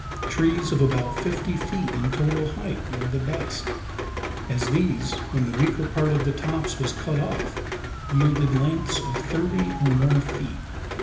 Trees of about fifty feet in total height were the best: as these, when the weaker part of the tops was cut off, yielded lengths of thirty or more feet.